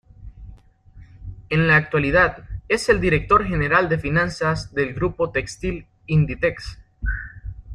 En la actualidad es el Director General de Finanzas del grupo textil, Inditex.